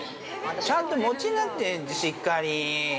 ちゃんと持ちなって、しっかり。